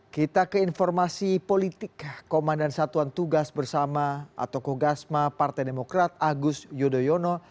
kita ke informasi politik komandan satuan tugas bersama atau kogasma partai demokrat agus yudhoyono